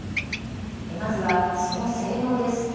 まずは、その性能です。